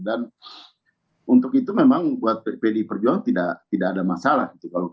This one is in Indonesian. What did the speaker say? dan untuk itu memang buat pdi perjuangan tidak ada masalah